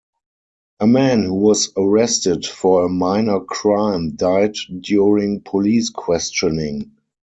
A man who was arrested for a minor crime died during police questioning.